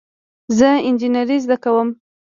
زه انجینری زده کوم